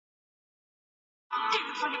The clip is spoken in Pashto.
هر استاد باید خپل مسؤلیت وپیژني.